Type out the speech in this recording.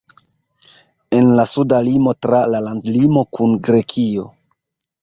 En la suda limo tra la landlimo kun Grekio.